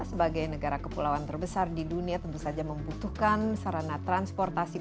sebagai negara kepulauan terbesar di dunia tentu saja membutuhkan sarana transportasi